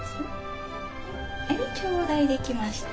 はい頂戴できました。